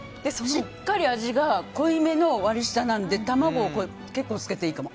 しっかり味が濃いめの割り下なので卵を結構つけていいかも。